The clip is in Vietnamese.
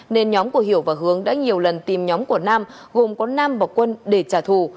nên nhóm của hiểu và hướng đã nhiều lần tìm nhóm của nam gồm có nam và quân để trả thù